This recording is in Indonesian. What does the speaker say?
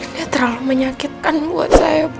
dia terlalu menyakitkan buat saya bu